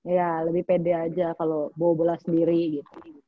iya lebih pede aja kalo bawa bola sendiri gitu